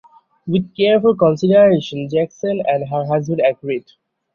With careful consideration Jackson and her husband agreed.